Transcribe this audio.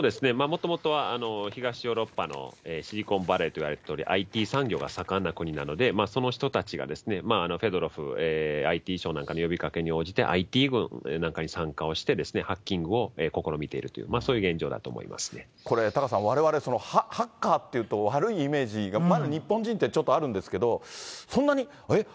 もともとは東ヨーロッパのシリコンバレーといわれているとおり、ＩＴ産業が盛んな国なので、その人たちがフェドロフＩＴ相なんかの呼びかけに応じて、ＩＴなんかに参加をして、ハッキングを試みているという、そういう現これ、タカさん、われわれハッカーっていうと、悪いイメージが、日本人ってちょっとあるんですけど、そんなに、えっ？